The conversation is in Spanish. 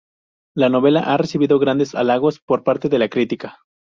La novela ha recibido grandes halagos por parte de la crítica.